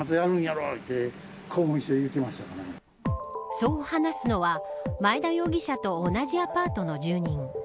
そう話すのは、前田容疑者と同じアパートの住人。